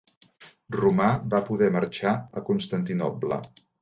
Romà va poder marxar a Constantinoble.